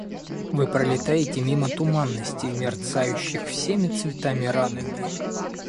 Вы пролетаете мимо туманностей, мерцающих всеми цветами радуги.